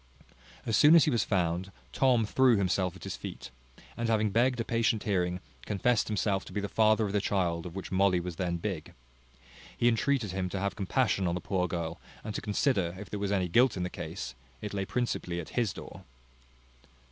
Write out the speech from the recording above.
As soon as he was found, Tom threw himself at his feet, and having begged a patient hearing, confessed himself to be the father of the child of which Molly was then big. He entreated him to have compassion on the poor girl, and to consider, if there was any guilt in the case, it lay principally at his door.